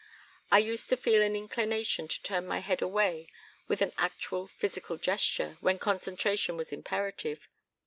I used to feel an inclination to turn my head away with an actual physical gesture when concentration was imperative.